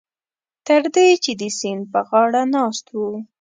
تر دې چې د سیند په غاړه ناست وو.